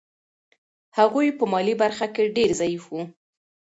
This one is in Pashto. هغوی په مالي برخه کې ډېر ضعیف وو.